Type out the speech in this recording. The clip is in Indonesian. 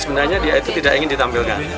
sebenarnya dia itu tidak ingin ditampilkan